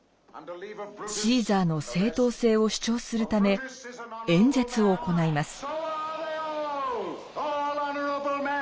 シーザーの正当性を主張するため演説を行います。